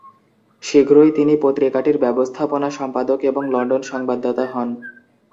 শীঘ্রই, তিনি পত্রিকাটির ব্যবস্থাপনা সম্পাদক এবং লন্ডন সংবাদদাতা হন।